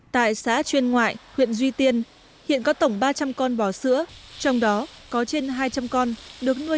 tại xã chuyên ngoại huyện duy tiên hiện có tổng ba trăm linh con bò sữa trong đó có trên hai trăm linh con được nuôi